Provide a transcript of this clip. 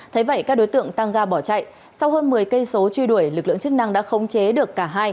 thấy vậy các đối tượng tăng ga bỏ chạy sau hơn một mươi km truy đuổi lực lượng chức năng đã khống chế được cả hai